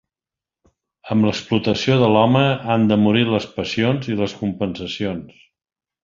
Amb l'explotació de l'home han de morir les passions i les compensacions.